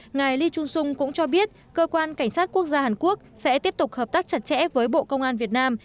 ngài lee chung sung cũng cho biết cơ quan cảnh sát quốc gia hàn quốc sẽ tiếp tục hợp tác chặt chẽ với bộ công an việt nam